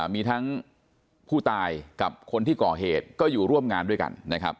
มีทั้งผู้ตายกับคนที่ก่อเหตุก็อยู่ร่วมงานด้วยกันนะครับ